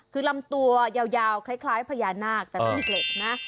คือลำตัวยาวคล้ายพญานาคแต่เป็นเหล็กนะ